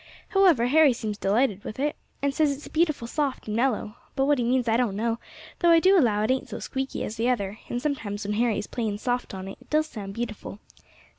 "However, Harry seems delighted with it, and says it's beautiful soft, and mellow. But what he means I don't know, though I do allow it ain't so squeaky as the other; and sometimes when Harry is playing soft on it, it does sound beautiful.